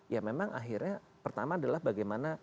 ya memang akhirnya pertama adalah bagaimana